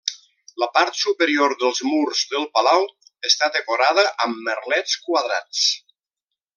La part superior dels murs del palau està decorada amb merlets quadrats.